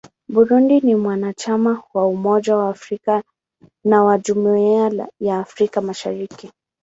Burundi ni mwanachama wa Umoja wa Afrika na wa Jumuiya ya Afrika Mashariki.